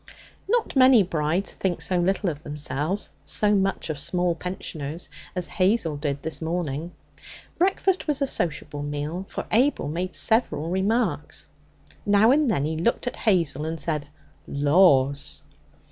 Not many brides think so little of themselves, so much of small pensioners, as Hazel did this morning. Breakfast was a sociable meal, for Abel made several remarks. Now and then he looked at Hazel and said, 'Laws!'